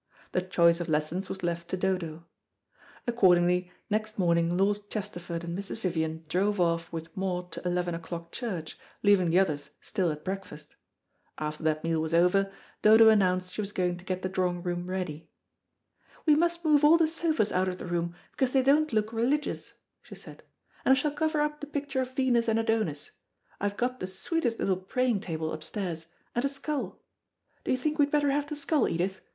The choice of lessons was left to Dodo. Accordingly, next morning Lord Chesterford and Mrs. Vivian drove off with Maud to eleven o'clock church, leaving the others still at breakfast. After that meal was over Dodo announced she was going to get the drawing room ready. "We must move all the sofas out of the room, because they don't look religious," she said; "and I shall cover up the picture of Venus and Adonis. I have got the sweetest little praying table upstairs, and a skull. Do you think we'd better have the skull, Edith?